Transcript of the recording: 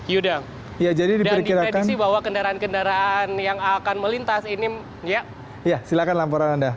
yuda dan diprediksi bahwa kendaraan kendaraan yang akan melintas ini ya silahkan laporan anda